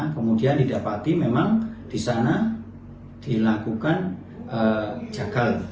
kemudian didapati memang di sana dilakukan jagal